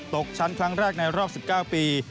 ตกชั้นครั้งแรกในรอบ๑๙ปี